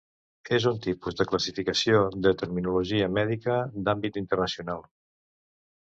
És un tipus de classificació de terminologia mèdica d'àmbit internacional.